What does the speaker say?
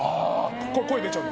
声出ちゃうんで。